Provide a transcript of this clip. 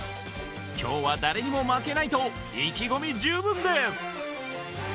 今日は誰にも負けないと意気込み十分です！